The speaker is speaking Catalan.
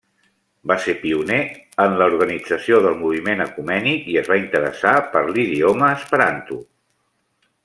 Va ser pioner en l'organització del moviment ecumènic i es va interessar per l'idioma esperanto.